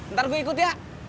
ntar gue ikut ya